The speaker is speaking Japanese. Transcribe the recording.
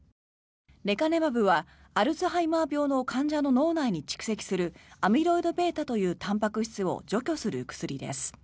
レカネマブはアルツハイマー病の患者の脳内に蓄積するアミロイドβというたんぱく質を除去する薬です。